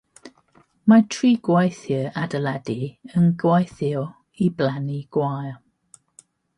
Mae tri gweithiwr adeiladu yn gweithio i blannu gwair